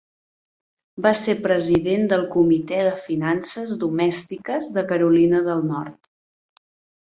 Va ser president del comitè de finances domèstiques de Carolina del Nord.